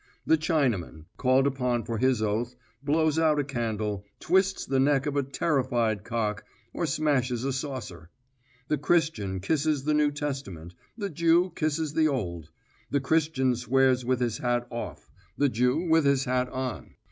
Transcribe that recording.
The Chinaman, called upon for his oath, blows out a candle, twists the neck of a terrified cock, or smashes a saucer. The Christian kisses the New Testament; the Jew kisses the Old. The Christian swears with his hat off; the Jew with his hat on.